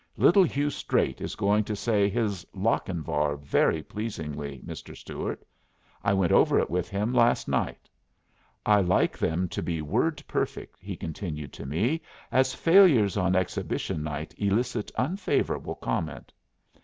Little Hugh Straight is going to say his 'Lochinvar' very pleasingly, Mr. Stuart. I went over it with him last night. I like them to be word perfect," he continued to me, "as failures on exhibition night elicit unfavorable comment."